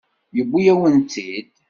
Yewwi-yawen-tt-id.